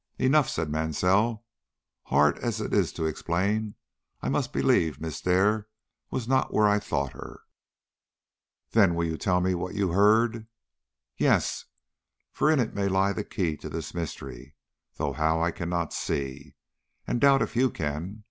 "Enough," said Mansell; "hard as it is to explain, I must believe Miss Dare was not where I thought her." "Then you will tell me what you heard?" "Yes; for in it may lie the key to this mystery, though how, I cannot see, and doubt if you can.